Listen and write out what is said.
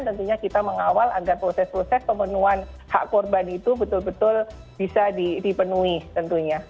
tentunya kita mengawal agar proses proses pemenuhan hak korban itu betul betul bisa dipenuhi tentunya